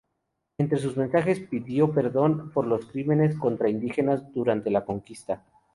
Entre sus mensajes pidió perdón por los crímenes contra indígenas durante la conquista.